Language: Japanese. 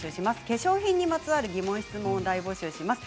化粧品にまつわる疑問、質問を大募集します。